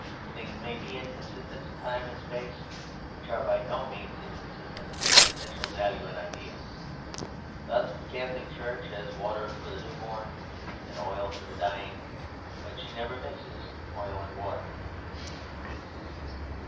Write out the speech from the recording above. Things may be inconsistent in time and space which are by no means inconsistent in essential value and idea. Thus the Catholic Church has water for the new born and oil for the dying: but she never mixes oil and water.